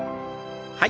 はい。